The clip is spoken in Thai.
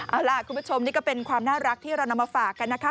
เอาล่ะคุณผู้ชมนี่ก็เป็นความน่ารักที่เรานำมาฝากกันนะคะ